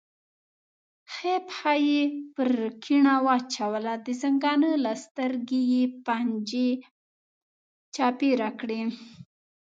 ښي پښه یې پر کیڼه واچوله، د زنګانه له سترګې یې پنجې چاپېره کړې.